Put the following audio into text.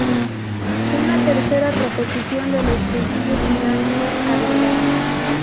Una tercera repetición del estribillo final fue agregada.